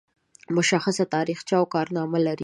مشخصه تاریخچه او کارنامه لري.